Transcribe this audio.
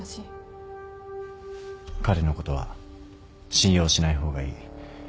彼のことは信用しない方がいい。